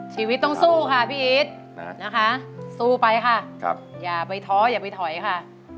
ชีวิตต้องสู้ค่ะพี่อีทนะคะสู้ไปค่ะอย่าไปท้ออย่าไปถอยค่ะ